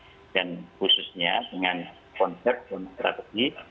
kita juga melakukan penelitian dan khususnya dengan konsep dan strategi